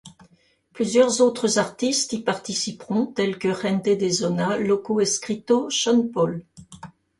Plusieurs autres artistes y participeront, tels que Gente de Zona, Loco Escrito, Sean Paul...